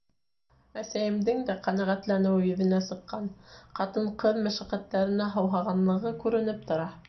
Әсәйемдең дә ҡәнәғәтләнеүе йөҙөнә сыҡҡан, ҡатын-ҡыҙ мәшәҡәттәренә һыуһағанлығы күренеп тора.